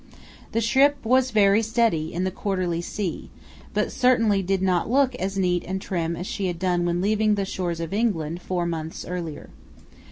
The ship was very steady in the quarterly sea, but certainly did not look as neat and trim as she had done when leaving the shores of England four months earlier.